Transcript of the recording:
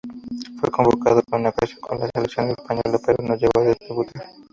Fue convocado en una ocasión con la selección española pero no llegó a debutar.